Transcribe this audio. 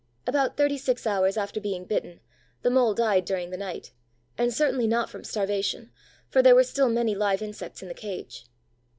About thirty six hours after being bitten, the Mole died during the night, and certainly not from starvation, for there were still many live insects in the cage.